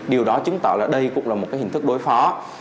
điều đó chứng tỏ là đây cũng là một cái hình thức đối phó